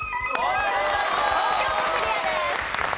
東京都クリアです。